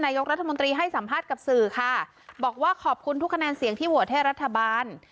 นายกรัฐมนตรีให้สัมภาษณ์กับสื่อค่ะบอกว่าขอบคุณทุกคะแนนเสียงที่โหวตให้รัฐบาล